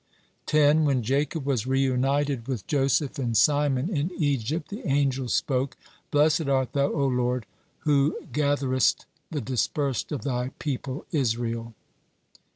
10. When Jacob was reunited with Joseph and Simon in Egypt, the angels spoke: "Blessed art Thou, O Lord, who gatherest the dispersed of Thy people Israel."